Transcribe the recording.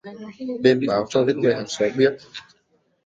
Nên báo cho những người hàng xóm biết